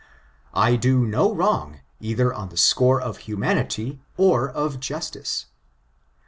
I do no wrong, either on the score of humanity or of justice.